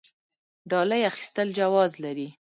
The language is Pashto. ډالۍ اخیستل جواز لري؟